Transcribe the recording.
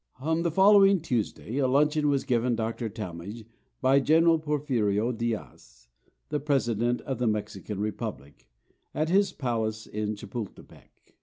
On the following Tuesday a luncheon was given Dr. Talmage by General Porfirio Diaz, the President of the Mexican Republic, at his palace in Chapultepec.